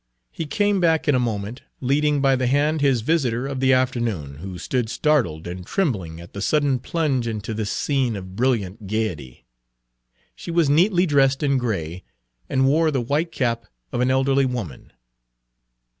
He came back in a moment, leading by the hand his visitor of the afternoon, who stood startled Page 24 and trembling at the sudden plunge into this scene of brilliant gayety. She was neatly dressed in gray, and wore the white cap of an elderly woman.